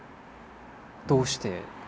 どうして？